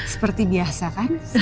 seperti biasa kan